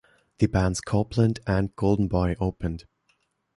The bands Copeland and Goldenboy opened.